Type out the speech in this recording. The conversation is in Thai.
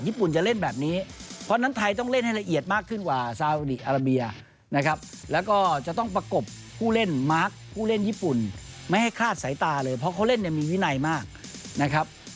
ญุ่นจะเล่นแบบนี้เพราะฉะนั้นไทยต้องเล่นให้ละเอียดมากขึ้นกว่าซาอุดีอาราเบียนะครับแล้วก็จะต้องประกบผู้เล่นมาร์คผู้เล่นญี่ปุ่นไม่ให้คลาดสายตาเลยเพราะเขาเล่นเนี่ยมีวินัยมากนะครับ